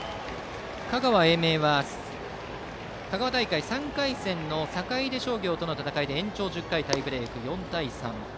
香川・英明は香川大会３回戦の坂出商業との試合で延長１０回タイブレーク４対３。